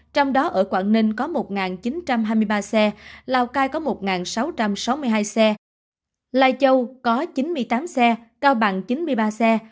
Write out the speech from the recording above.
trong đó ở quảng ninh có một chín trăm hai mươi ba xe lào cai có một sáu trăm sáu mươi hai xe lai châu có chín mươi tám xe cao bằng chín mươi ba xe